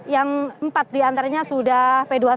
yang empat di antaranya sudah p dua puluh satu